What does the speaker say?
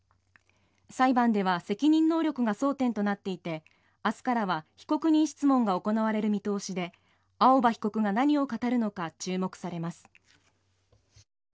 裁判では責任能力が争点となっていて明日からは被告人質問が行われる見通しで青葉被告が何を語るのか注目されます。